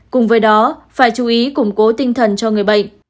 cùng với đó phải chú ý củng cố tinh thần cho người bệnh